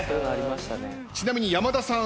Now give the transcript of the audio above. ちなみに山田さん